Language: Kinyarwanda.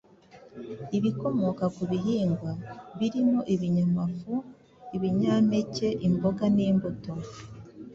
ibikomoka ku bihingwa birimo ibinyamafu, ibinyampeke imboga n’imbuto.